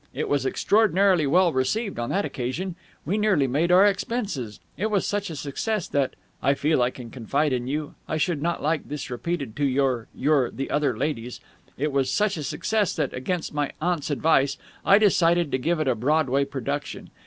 It was extraordinarily well received on that occasion. We nearly made our expenses. It was such a success that I feel I can confide in you. I should not like this repeated to your your the other ladies it was such a success that, against my aunt's advice, I decided to give it a Broadway production.